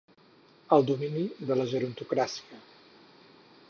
El domini de la gerontocràcia.